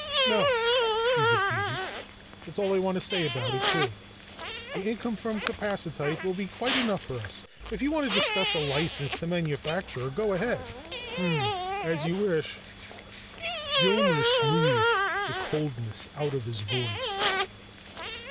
"No," he repeated. "That's all I want to say about it, too. The income from capacitite will be quite enough for us. If you want to discuss a license to manufacture, go ahead." "Hrm! As you wish." Gilmer smoothed the coldness out of his voice.